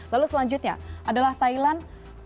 lalu selanjutnya adalah thailand